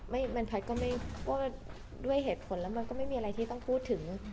มันแพทย์ก็ไม่ว่าด้วยเหตุผลแล้วมันก็ไม่มีอะไรที่ต้องพูดถึง